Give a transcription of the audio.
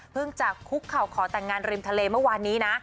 จะคุกเข่าขอแต่งงานริมทะเลเมื่อวานนี้นะ